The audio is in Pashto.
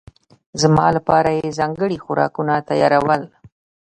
زما لپاره یې ځانګړي خوراکونه تيارول.